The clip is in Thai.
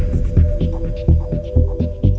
ก็ยังต้องขอบคุณครอบครัวเอง